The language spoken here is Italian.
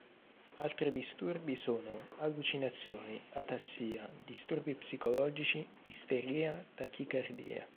Altri disturbi sono: allucinazioni, atassia, disturbi psicologici, isteria, tachicardia.